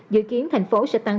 dự kiến thành phố sẽ tăng